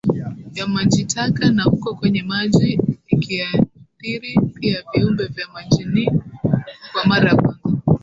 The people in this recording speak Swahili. ya majitaka na huko kwenye maji ikiathiri pia viumbe vya majiniKwa mara ya kwanza